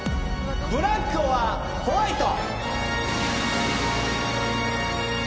ブラックｏｒホワイト？